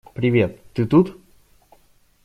Привет, ты тут?